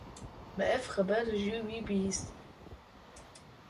Me ev xeber ji wî bihîst.